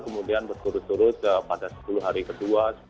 kemudian berturut turut pada sepuluh hari kedua